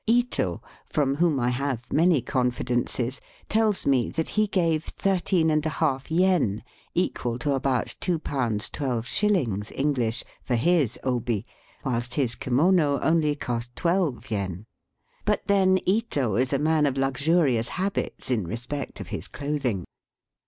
Ito, from whom I have many confidences, tells me that he gave thirteen and a half yen, equal to about &2 12s. English, for his obi, whilst his kimono only cost twelve yen. But then Ito is a man of luxurious habits in respect of his clothing.